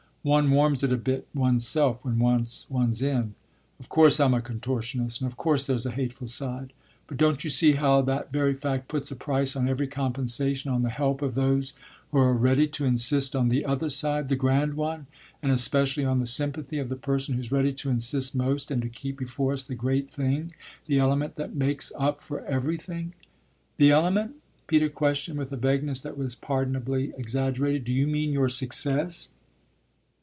One warms it a bit one's self when once one's in. Of course I'm a contortionist and of course there's a hateful side, but don't you see how that very fact puts a price on every compensation, on the help of those who are ready to insist on the other side, the grand one, and especially on the sympathy of the person who's ready to insist most and to keep before us the great thing, the element that makes up for everything?" "The element ?" Peter questioned with a vagueness that was pardonably exaggerated. "Do you mean your success?"